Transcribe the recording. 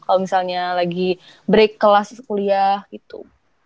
kalau misalnya lagi break kelas kuliah gitu